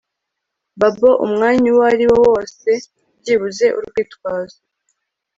bubble umwanya uwariwo wose byibuze urwitwazo